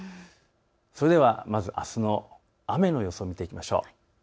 それではまずあすの雨の予想を見ていきましょう。